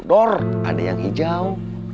dor ada yang hijau